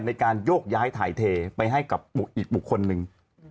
ในการโยกย้ายถ่ายเทไปให้กับอีกบุคคลหนึ่ง